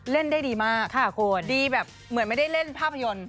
เล่นได้ดีมากค่ะคุณดีแบบเหมือนไม่ได้เล่นภาพยนตร์